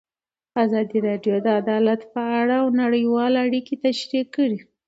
ازادي راډیو د عدالت په اړه نړیوالې اړیکې تشریح کړي.